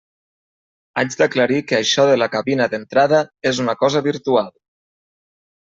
Haig d'aclarir que això de la cabina d'entrada és una cosa virtual.